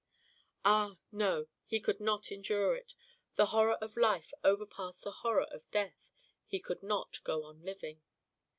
Ah, no, he could not endure it the horror of life overpassed the horror of death; he could not go on living.